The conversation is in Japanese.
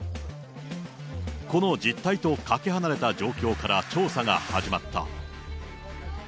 この実態とかけ離れた状況から調査が始まった。